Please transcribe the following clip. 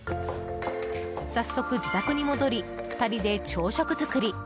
早速、自宅に戻り２人で朝食作り。